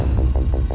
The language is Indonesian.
gak ada bu